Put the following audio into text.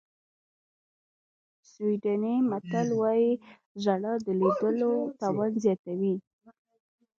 سویډني متل وایي ژړا د لیدلو توان زیاتوي.